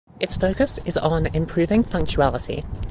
Its focus is on improving punctuality.